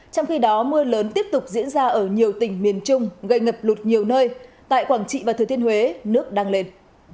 trong khi đó mưa lớn tiếp tục diễn ra ở nhiều tỉnh miền trung gây ngập lụt nhiều nơi tại quảng trị và thừa thiên huế nước đang lên